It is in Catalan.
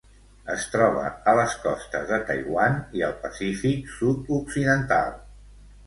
Es troba a les costes de Taiwan i al Pacífic sud-occidental.